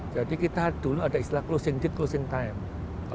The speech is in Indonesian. jadi kita dulu ada istilah closing date closing time